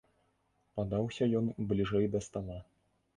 Падаўся ён бліжэй да стала.